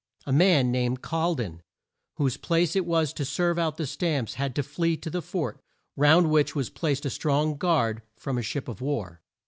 A man named Col den whose place it was to serve out the stamps had to flee to the fort, round which was placed a strong guard from a ship of war.